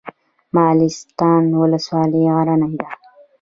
مالستان ولسوالۍ غرنۍ ده؟